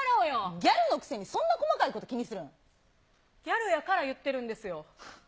ギャルのくせにそんな細かいギャルやから言ってるんですよ。